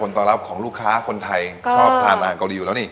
ตอนรับของลูกค้าคนไทยชอบทานอาหารเกาหลีอยู่แล้วนี่